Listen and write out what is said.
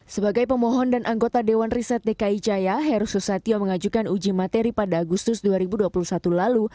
sebagai pemohon dan anggota dewan riset dki jaya heru susatyo mengajukan uji materi pada agustus dua ribu dua puluh satu lalu